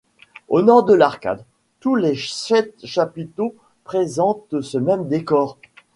Au nord de l'arcade, tous les sept chapiteaux présentent ce même décor.